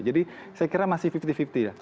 jadi saya kira masih lima puluh lima puluh ya